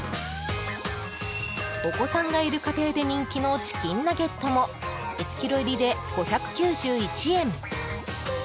お子さんがいる家庭で人気のチキンナゲットも１ｋｇ入りで５９１円。